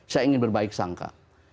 saya ingin berbaik sangka